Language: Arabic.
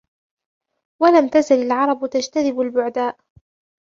وَلَمْ تَزَلْ الْعَرَبُ تَجْتَذِبُ الْبُعَدَاءَ